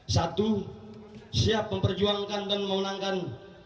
satu siap memperjuangkan dan memenangkan